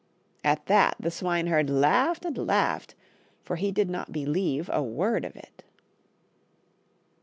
At that the swineherd laughed and laughed, for he did not believe a word of it.